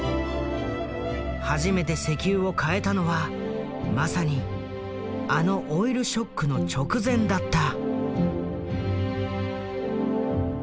初めて石油を買えたのはまさにあのオイルショックの直前だった。